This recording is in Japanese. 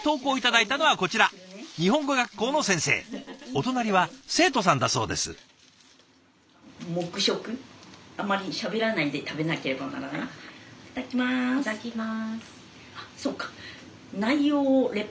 いただきます。